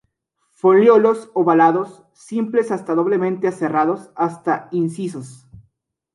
Folíolos ovalados, simples hasta doblemente aserrados hasta incisos.